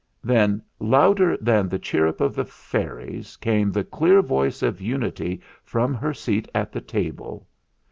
Then, louder than the chirrup of the fairies, came the clear voice of Unity from her seat at the table.